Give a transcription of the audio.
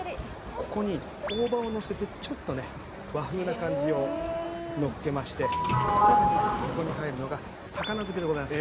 ここに大葉をのせてちょっとね和風な感じをのっけましてさらにここに入るのが高菜漬けでございます。